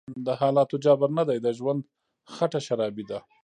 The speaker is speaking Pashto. دحالاتو_جبر_نه_دی_د_ژوند_خټه_شرابي_ده